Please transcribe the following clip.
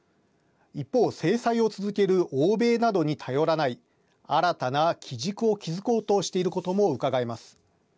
一方、制裁を続ける欧米などに頼らない新たな基軸を築こうとしていることもうかがえます。